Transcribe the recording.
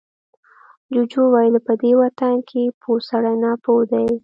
جوجو وويل، په دې وطن کې پوه سړی ناپوه دی.